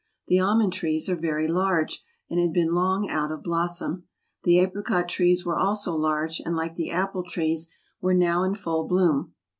The almond trees are very large, and had been long out of blossom. The apricot trees were also large, and like the applcrtrees, were now in full bloom.